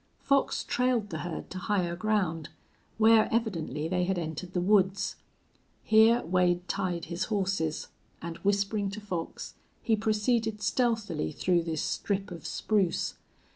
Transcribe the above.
Fox trailed the herd to higher ground, where evidently they had entered the woods. Here Wade tied his horses, and, whispering to Fox, he proceeded stealthily through this strip of spruce.